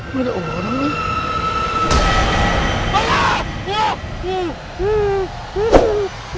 mana ada orang orang